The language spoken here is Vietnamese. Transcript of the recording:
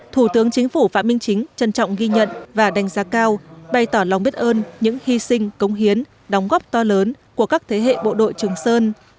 thủ tướng chính phủ phạm minh chính trân trọng ghi nhận và đánh giá cao bày tỏ lòng biết ơn những hy sinh công hiến đóng góp to lớn của các thế hệ bộ đội trường sơn